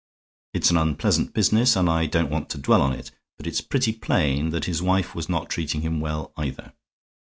It's an unpleasant business, and I don't want to dwell on it; but it's pretty plain that his wife was not treating him well, either.